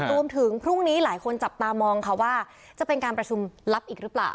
รวมถึงพรุ่งนี้หลายคนจับตามองค่ะว่าจะเป็นการประชุมลับอีกหรือเปล่า